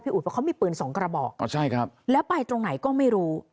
อุ๋ยเพราะเขามีปืนสองกระบอกอ๋อใช่ครับแล้วไปตรงไหนก็ไม่รู้